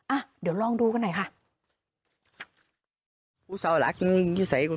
อ่ะเดี๋ยวลองดูกันหน่อยค่ะ